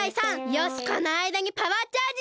よしこのあいだにパワーチャージだ！